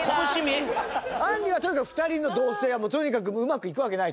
あんりはとにかく２人の同棲はとにかくうまくいくわけないと。